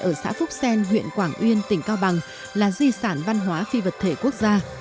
ở xã phúc sen huyện quảng uyên tỉnh cao bằng là di sản văn hóa phi vật thể quốc gia